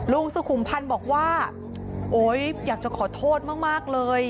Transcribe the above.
ลุงสุขุมพันธ์บอกว่าโอ๊ยอยากจะขอโทษมากเลย